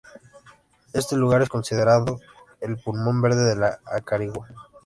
Este lugar es considerando el pulmón verde de Acarigua.